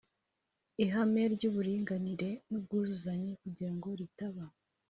ihame ry’uburinganire n’ubwuzuzanye kugirango ritaba